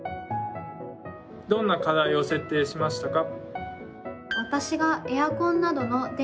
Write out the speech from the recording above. どんな課題を設定しましたか？